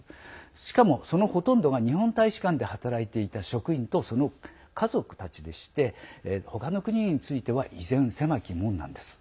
しかもそのほとんどが日本大使館で働いていた職員とその家族たちでして他の国については依然、狭き門なんです。